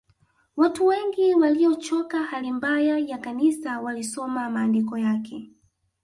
Watu wengi waliochoka hali mbaya ya Kanisa walisoma maandiko yake